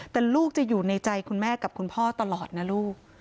แต่ลูกจะอยู่ในใจคุณแม่กับคุณพ่อตลอดนะลูก